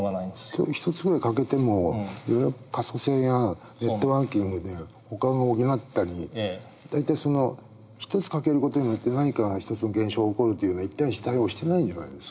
１つぐらい欠けても可塑性やネットワーキングでほかを補ったり大体その１つ欠ける事によって何かが一つの現象が起こるというのは１対１に対応してないんじゃないですか。